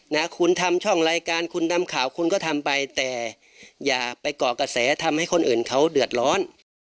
นะคุณทำช่องรายการคุณทำข่าวคุณก็ทำไปแต่อย่าไปเกาะกระแสทำให้คนอื่นเขาเดือดร้อน